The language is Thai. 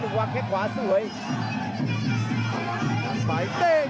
อ้าวครับเกี่ยวแล้วชื่น